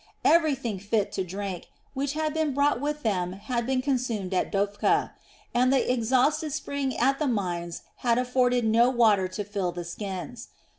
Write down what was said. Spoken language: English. Everything fit to drink which had been brought with them had been consumed at Dophkah, and the exhausted spring at the mines had afforded no water to fill the skins.